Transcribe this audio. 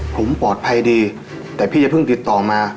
ผมปลอดภัยดีแต่พี่อย่าเพิ่งติดต่อมา